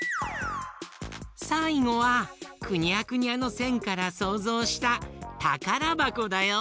さいごはくにゃくにゃのせんからそうぞうしたたからばこだよ。